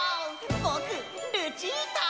ぼくルチータ！